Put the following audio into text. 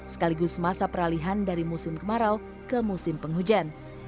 sekaligus masa peralihan dari musim kemarau ke musim penghujan